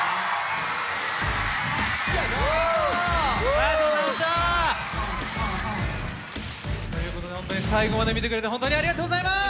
ありがとうございました！ということで本当に最後まで見てくれて本当にありがとうございます！